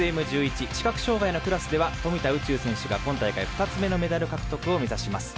視覚障がいのクラスでは富田宇宙選手が今大会２つ目のメダル獲得を目指します。